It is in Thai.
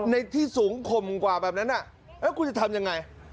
ในที่สูงข่มกว่าแบบนั้นแล้วคุณจะทำยังไง